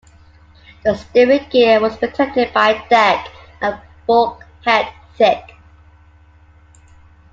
The steering gear was protected by a deck and bulkhead thick.